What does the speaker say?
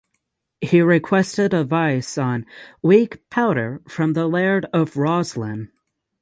He requested advice on "weak powder" from the Laird of Roslin.